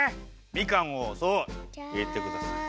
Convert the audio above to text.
みかんをそういれてください。